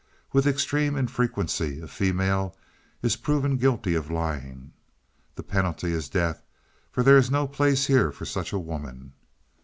With extreme infrequency, a female is proven guilty of lying. The penalty is death, for there is no place here for such a woman!